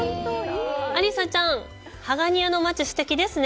アリサちゃん、ハガニアの街、すてきですね。